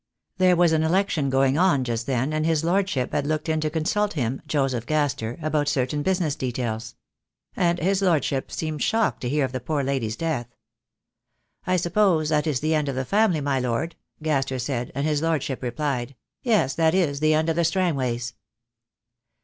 There was an election going on just then, and his lordship had looked in to consult him, Joseph Gaster, about certain business details: and his lordship seemed shocked to hear of the poor lady's death. 'I suppose that is the end of the family, my lord?' Gaster said, and his lordship replied, 'Yes, that is the end of the Strangways.'